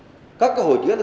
và các công trình thủy đen